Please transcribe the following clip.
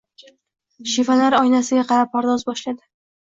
Shifoner oynasiga qarab pardoz boshladi.